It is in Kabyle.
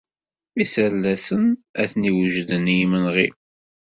Iserdasen atni wejden i yimenɣi.